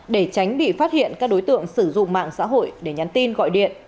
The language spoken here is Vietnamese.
để tránh bị phát hiện các đối tượng sử dụng mạng xã hội để nhắn tin gọi điện